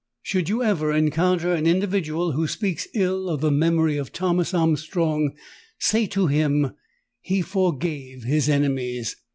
Should you ever encounter an individual who speaks ill of the memory of Thomas Armstrong, say to him, '_He forgave his enemies!